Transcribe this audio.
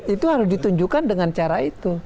itu harus ditunjukkan dengan cara itu